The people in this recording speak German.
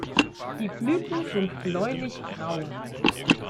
Die Blüten sind bläulich-grau.